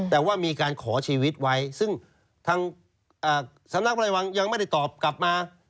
แต่ว่ามีการขอชีวิตไว้ซึ่งทางสำนักพระราชวังยังไม่ได้ตอบกลับมา